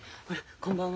こんばんは。